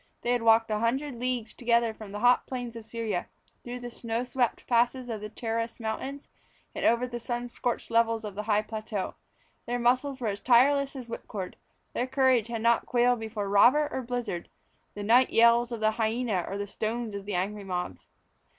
They had walked a hundred leagues together from the hot plains of Syria, through the snow swept passes of the Taurus mountains, and over the sun scorched levels of the high plateau. Their muscles were as tireless as whipcord. Their courage had not quailed before robber or blizzard, the night yells of the hyena or the stones of angry mobs.